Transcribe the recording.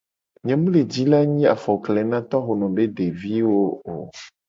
Nye mu le ji la nyi afokle na tohono be deviwo o.